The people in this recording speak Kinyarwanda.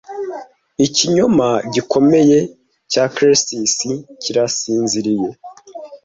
ikinyoma gikomeye cya caresses kiransinziriye